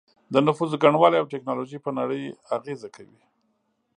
د نفوسو ګڼوالی او ټیکنالوژي په نړۍ اغیزه کوي